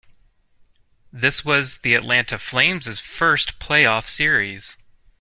This was the Atlanta Flames' first playoff series.